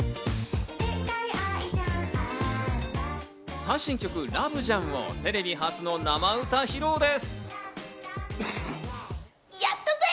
最新曲『ラブじゃん』をテレビ初の生歌披露です。